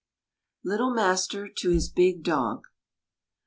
LITTLE MASTER TO HIS BIG DOG.